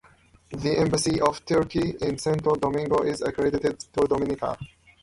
The Embassy of Turkey in Santo Domingo is accredited to Dominica.